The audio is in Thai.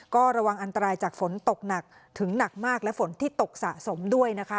ก็ระวังอันตรายจากฝนตกหนักถึงหนักมากและฝนที่ตกสะสมด้วยนะคะ